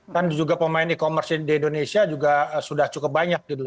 kan juga pemain e commerce di indonesia juga sudah cukup banyak gitu